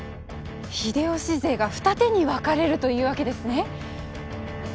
秀吉勢が二手に分かれるというわけですね。